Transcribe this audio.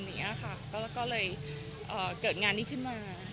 ก็เลยเกิดงานนี้ขึ้นมา